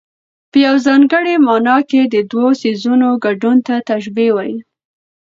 په یوه ځانګړې مانا کې د دوو څيزونو ګډون ته تشبېه وايي.